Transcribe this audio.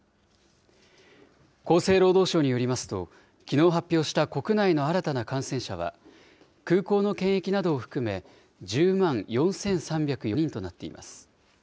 厚生労働省によりますと、きのう発表した国内の新たな感染者は、空港の検疫などを含め、１０万４３０４人となっています。